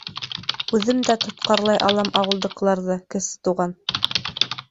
— Үҙем дә тотҡарлай алам ауылдыҡыларҙы, Кесе Туған.